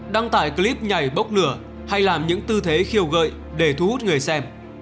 đăng tải clip nhảy bốc lửa hay làm những tư thế khiêu gợi để thu hút người xem